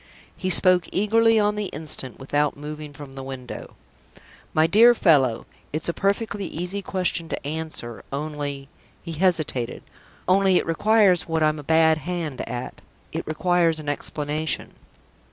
He spoke eagerly on the instant, without moving from the window. "My dear fellow, it's a perfectly easy question to answer. Only" he hesitated "only it requires what I'm a bad hand at: it requires an explanation."